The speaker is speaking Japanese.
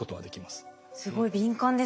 すごい敏感ですね。